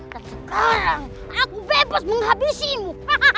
dan sekarang aku bebas menghabisiimu